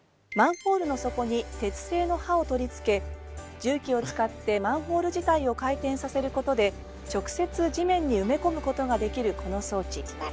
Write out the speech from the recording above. マンホールの底に鉄製の「歯」を取り付け重機を使ってマンホール自体を回転させることで直接地面に埋め込むことができるこの装置。